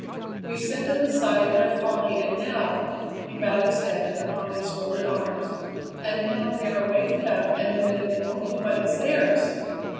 We set them aside in our folly, and now" he bowed his head upon his folded arms "and now they are waking up and demanding only what is theirs!"